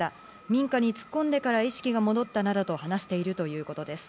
民家に突っ込んでから意識が戻ったなどと話しているということです。